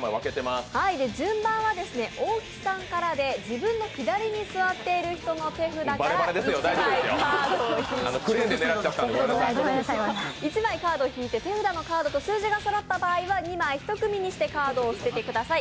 順番は大木さんからで、自分の左に座っている人の手札から１枚カードを引いて、手札のカードと数字がそろった場合には２枚１組にしてカードを捨ててください。